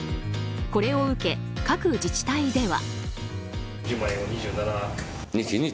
これを受け、各自治体では。